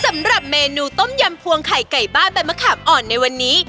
สำหรับเมนูต้มยำพวงไข่ไก่บ้านใบมะขามอ่อนในวันนี้